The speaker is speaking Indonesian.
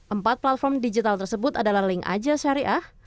empat platform digital tersebut adalah link aja syariah